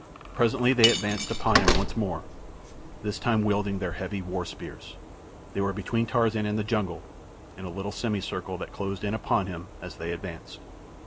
Presently they advanced upon him once more, this time wielding their heavy war spears. They were between Tarzan and the jungle, in a little semicircle that closed in upon him as they advanced.